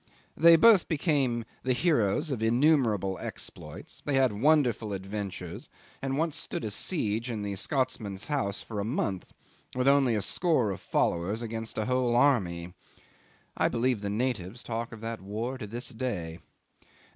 They both became the heroes of innumerable exploits; they had wonderful adventures, and once stood a siege in the Scotsman's house for a month, with only a score of followers against a whole army. I believe the natives talk of that war to this day.